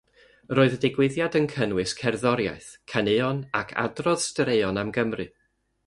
Roedd y digwyddiad yn cynnwys cerddoriaeth, caneuon ac adrodd straeon am Gymru.